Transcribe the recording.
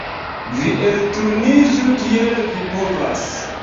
Vi elturniĝu kiel vi povos.